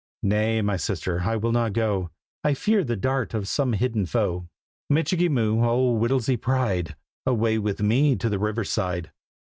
"Nay, my sister, I will not go; I fear the dart of some hidden foe." "Michikee Moo, old Whittlesy's pride, Away with me to the river side!"